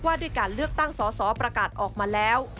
ด้วยการเลือกตั้งสอสอประกาศออกมาแล้ว